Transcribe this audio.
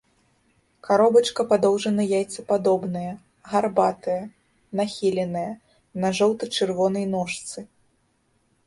Каробачка падоўжана-яйцападобная, гарбатая, нахіленая, на жоўта-чырвонай ножцы.